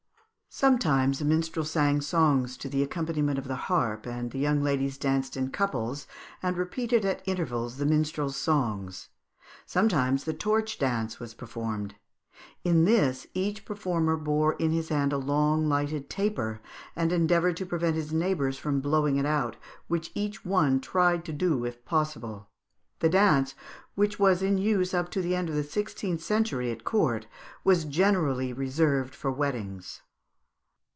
Sometimes a minstrel sang songs to the accompaniment of the harp, and the young ladies danced in couples and repeated at intervals the minstrel's songs. Sometimes the torch dance was performed; in this each performer bore in his hand a long lighted taper, and endeavoured to prevent his neighbours from blowing it out, which each one tried to do if possible (Fig. 184). This dance, which was in use up to the end of the sixteenth century at court, was generally reserved for weddings.